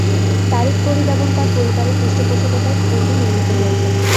তারিক ফরিদ এবং তার পরিবারের পৃষ্ঠপোষকতায় স্কুলটি নির্মিত হয়েছে।